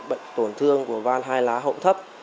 bệnh tổn thương của van hai lá hậu thấp